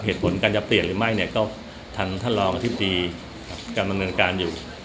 เหตุผลการจะเปลี่ยนหรือไม่เนี่ยก็ทางท่านรองอธิบดีกำลังดำเนินการอยู่